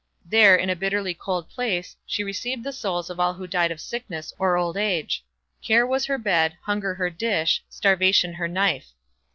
There, in a bitterly cold place, she received the souls of all who died of sickness or old age; care was her bed, hunger her dish, starvation her knife.